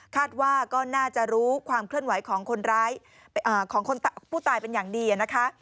ว่าก็น่าจะรู้ความเคลื่อนไหวของคนร้ายของคนผู้ตายเป็นอย่างดีนะคะ